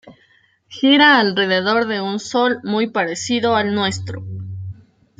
Gira alrededor de un sol muy parecido al nuestro.